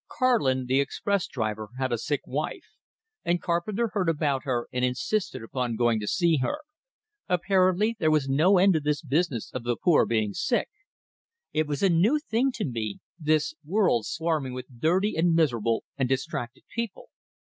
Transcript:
Karlin the express driver, had a sick wife, and Carpenter heard about her and insisted upon going to see her. Apparently there was no end to this business of the poor being sick. It was a new thing to me this world swarming with dirty and miserable and distracted people.